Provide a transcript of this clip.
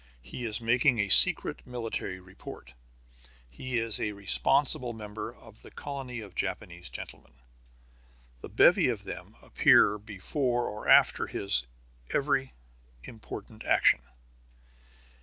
He is making a secret military report. He is a responsible member of a colony of Japanese gentlemen. The bevy of them appear before or after his every important action.